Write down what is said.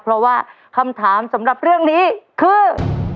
เพราะว่าคำถามสำหรับเรื่องนี้คือ